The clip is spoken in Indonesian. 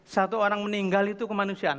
satu orang meninggal itu kemanusiaan